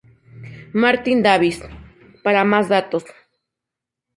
Martin Davis, para más datos.